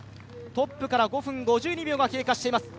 トップから５分５２秒が経過しています。